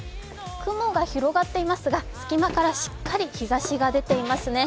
雲が広がっていますが、隙間からしっかり日ざしが出ていますね。